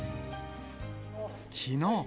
きのう。